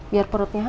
biar perutnya hangat